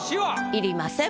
要りません。